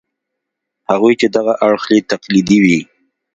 هغوی چې دغه اړخ یې تقلیدي وي.